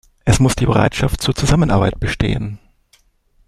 Es muss die Bereitschaft zur Zusammenarbeit bestehen.